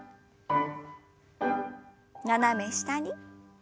斜め下に。